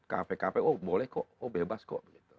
kafe kafe oh boleh kok oh bebas kok